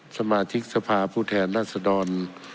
สมาชิกสภาผู้แทนรัศดร